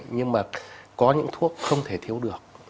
nhưng mà có những thuốc không thể thiếu được